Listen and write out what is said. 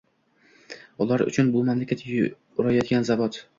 Ular uchun bu mamlakat urayotgan zavod